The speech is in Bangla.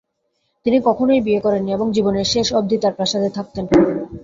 তিনি কখনই বিয়ে করেননি এবং জীবনের শেষ অবধি তার প্রাসাদে থাকতেন।